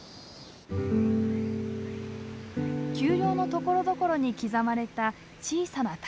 丘陵のところどころに刻まれた小さな谷。